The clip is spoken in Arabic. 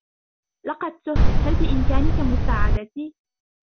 لقد تهتُ ، هل بإمكانك مساعدتي ؟